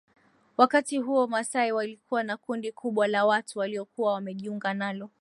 Wakati huo Wamasai walikuwa na kundi kubwa la watu waliokuwa wamejiunga nalo